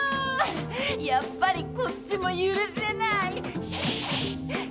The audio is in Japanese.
やっぱりこっちも許せない！